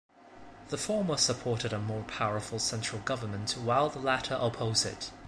The former supported a more powerful central government while the latter opposed it.